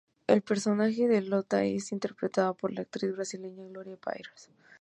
El personaje de Lota es interpretado por la actriz brasileña Gloria Pires.